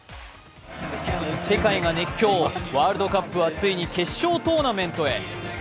世界が熱狂、ワールドカップはついに決勝トーナメントへ。